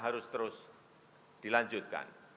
harus terus dilanjutkan